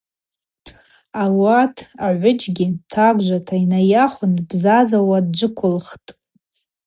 Ауат агӏвыджьгьи тагвжвата йнайахвын дбзазауа дджвыквылхтӏ.